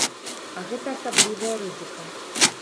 А гэта асаблівая рызыка!